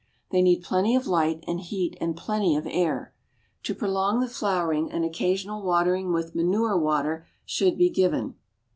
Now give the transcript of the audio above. They need plenty of light and heat and plenty of air. To prolong the flowering an occasional watering with manure water should be given.